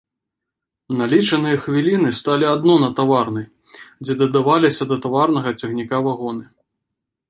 На лічаныя хвіліны сталі адно на таварнай, дзе дадаваліся да таварнага цягніка вагоны.